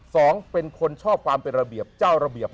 สองคนเป็นคนชอบความเป็นระเบียบเจ้าระเบียบ